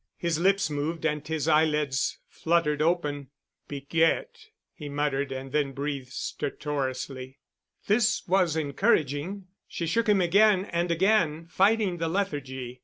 His lips moved and his eyelids fluttered open. "Piquette——!" he muttered, and then breathed stertorously. This was encouraging. She shook him again and again, fighting the lethargy.